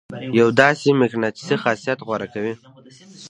يو داسې مقناطيسي خاصيت غوره کوي.